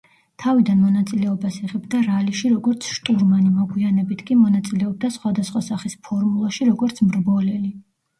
თავიდან მონაწილეობას იღებდა რალიში როგორც შტურმანი, მოგვიანებით კი მონაწილეობდა სხვადასხვა სახის ფორმულაში როგორც მრბოლელი.